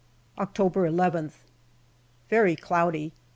October llth. Very cloudy.